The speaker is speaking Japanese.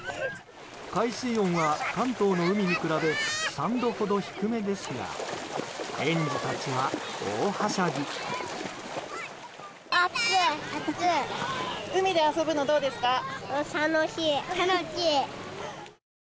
海水温は関東の海に比べ３度ほど低めですが園児たちは大はしゃぎ。